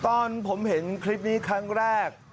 ตอนผมเห็นคลิปนี้ครั้งแรก